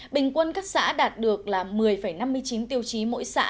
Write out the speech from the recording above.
bình quân các xã đạt được là một mươi năm mươi chín tiêu chí mỗi xã